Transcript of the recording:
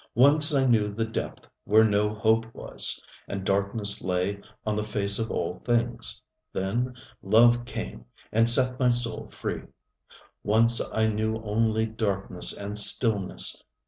Once I knew the depth where no hope was, and darkness lay on the face of all things. Then love came and set my soul free. Once I knew only darkness and stillness.